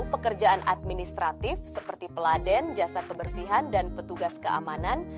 pekerjaan administratif seperti peladen jasa kebersihan dan petugas keamanan